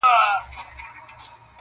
د لمر رڼا هم کمزورې ښکاري په هغه ځای-